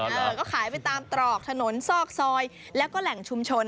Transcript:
เออก็ขายไปตามตรอกถนนซอกซอยแล้วก็แหล่งชุมชน